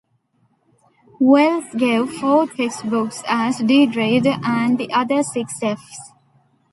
Wells gave four textbooks a D grade, and the other six Fs.